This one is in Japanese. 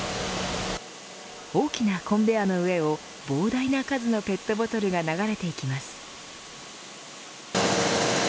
大きなコンベヤーの上を膨大な数のペットボトルが流れていきます。